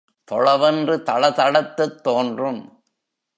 தொளவென்று தளதளத்துத் தோன்றும்.